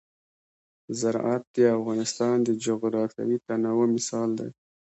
زراعت د افغانستان د جغرافیوي تنوع مثال دی.